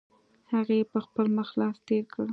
هغې په خپل مخ لاس تېر کړ.